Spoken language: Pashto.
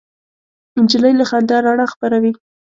نجلۍ له خندا رڼا خپروي.